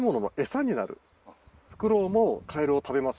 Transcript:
フクロウもカエルを食べます。